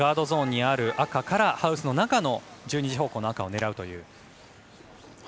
ゾーンにある赤からハウスの中の１２時方向の赤を狙うという。